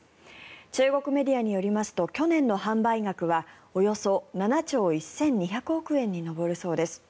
中国メディアによりますと去年の販売額はおよそ７兆１２００億円に上るそうです。